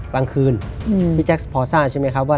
กลางคืนพี่แจ๊คพอทราบใช่ไหมครับว่า